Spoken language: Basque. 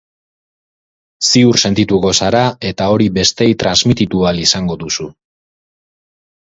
Ziur sentituko zara, eta hori besteei transmititu ahal izango duzu.